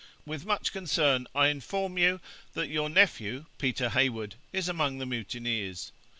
With much concern I inform you that your nephew, Peter Hey wood, is among the mutineers.